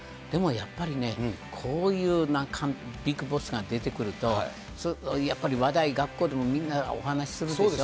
やっぱりね、こういうようなビッグボスが出てくると、やっぱり話題、学校でもみんなお話しするでしょ。